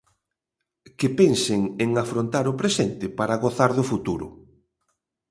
Que pensen en afrontar o presente para gozar do futuro.